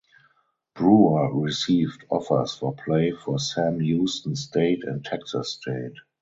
Brewer received offers for play for Sam Houston State and Texas State.